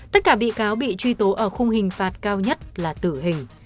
tất cả bị cáo bị truy tố ở khung hình phạt cao nhất là tử hình